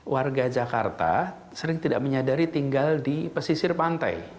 warga jakarta sering tidak menyadari tinggal di pesisir pantai